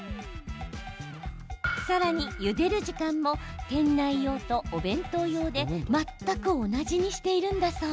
さらに、ゆでる時間も店内用とお弁当用で全く同じにしているんだそう。